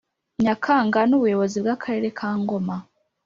Nyakanga n’ubuyobozi bw’Akarere ka Ngoma